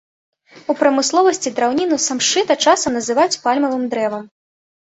У прамысловасці драўніну самшыта часам называюць пальмавым дрэвам.